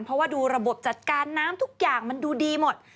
เพราะว่าดูระบบจัดการน้ำทุกอย่างมันดูดีหมด